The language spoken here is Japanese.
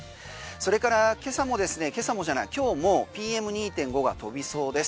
それから今日もＰＭ２．５が飛びそうです。